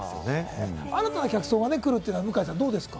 新たな客層が来るっていうのはどうですか？